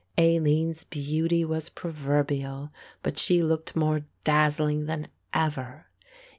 Aline's beauty was proverbial, but she looked more dazzling than ever.